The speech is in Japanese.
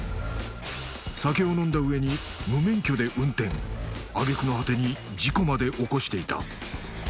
酒を飲んだ上に無免許で運転あげくの果てに事故まで起こしていた